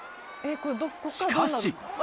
しかし。